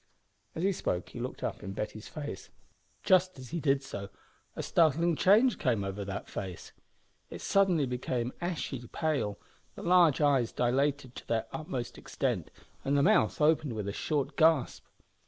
As he spoke he looked up in Betty's face. Just as he did so a startling change came over that face. It suddenly became ashy pale, the large eyes dilated to their utmost extent, and the mouth opened with a short gasp.